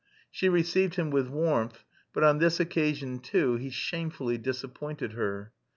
She received him with warmth, but on this occasion, too, he shamefully disappointed her.